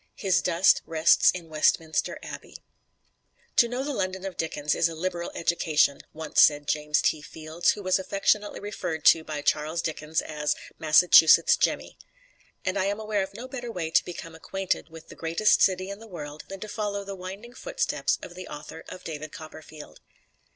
His dust rests in Westminster Abbey. "To know the London of Dickens is a liberal education," once said James T. Fields, who was affectionately referred to by Charles Dickens as "Massachusetts Jemmy." And I am aware of no better way to become acquainted with the greatest city in the world than to follow the winding footsteps of the author of "David Copperfield."